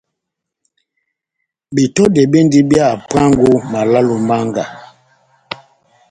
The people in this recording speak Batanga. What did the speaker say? Betɔdɛ bendi bia hapuango ó malale ó mánga.